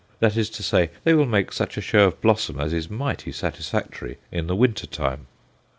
That is to say, they will make such a show of blossom as is mighty satisfactory in the winter time.